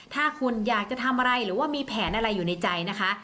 ถ้าคุณอยากจะทำอะไรหรือว่ามีแผนอะไรอยู่ในใจนะคะ